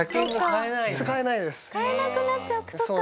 買えなくなっちゃうかそっか。